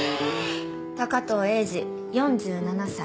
高藤英治４７歳。